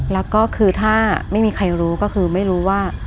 แล้วก็คือถ้าไม่มีใครรู้ก็คือไม่รู้ว่า